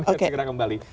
kita segera kembali